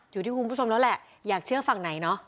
อยู่ที่คุณผู้ชมแล้วแหละอยากเชื่อฝั่งไหนเนาะ